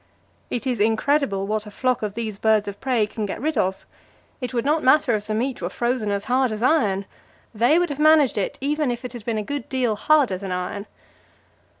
It is incredible what a flock of these birds of prey can get rid of; it would not matter if the meat were frozen as hard as iron, they would have managed it, even if it had been a good deal harder than iron.